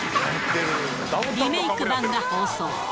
リメーク版が放送。